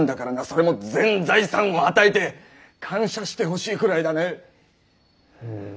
それも全財産をはたいてッ！感謝してほしいくらいだねッ。